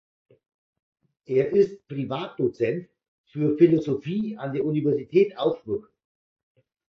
Er ist Privatdozent für Philosophie an der Universität Augsburg.